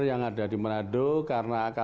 yang ada di menado karena